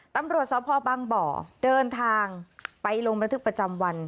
ตำรวจสพบังบ่อเดินทางไปลงบันทึกประจำวัน